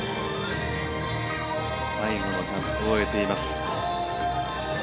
最後のジャンプを終えています。